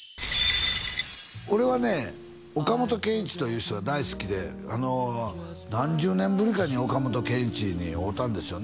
俺はね岡本健一という人が大好きで何十年ぶりかに岡本健一に会うたんですよね